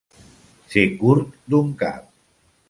Ser curt d'un cap.